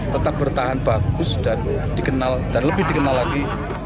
tetap bertahan bagus dan lebih dikenal lagi